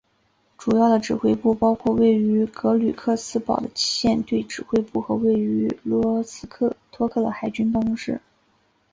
主要的指挥部包括位于格吕克斯堡的舰队指挥部和位于罗斯托克的海军办公室。